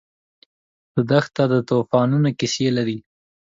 دښته د توفانونو کیسې لري.